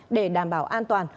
để đảm bảo an toàn